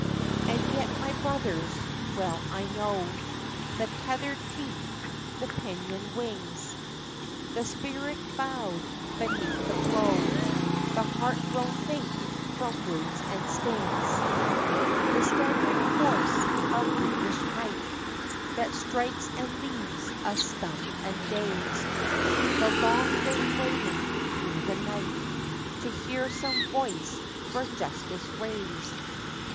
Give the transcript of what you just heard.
And yet, my brothers, well I know The tethered feet, the pinioned wings, The spirit bowed beneath the blow, The heart grown faint from wounds and stings; The staggering force of brutish might, That strikes and leaves us stunned and daezd; The long, vain waiting through the night To hear some voice for justice raised.